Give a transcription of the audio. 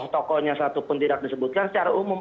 tokohnya satu pun tidak disebutkan secara umum